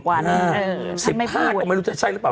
๑๕ก็ไม่รู้จะใช่หรือเปล่า